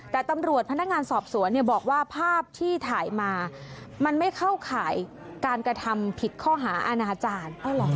แต่ตำรวจพนักงานสอบสวนบอกว่าภาพที่ถ่ายมามันไม่เข้าข่ายการกระทำผิดข้อหาอาณาจารย์